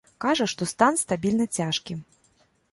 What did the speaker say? Кажа, што стан стабільна цяжкі.